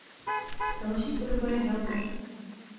Další podoba je Helga.